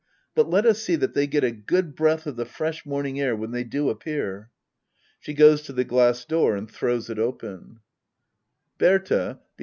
But let us see that they get a good breath of the fresh morning air when they do appear. [She goes to the glass door and throws it open. Digitized by Google act i.] hedda oablbr.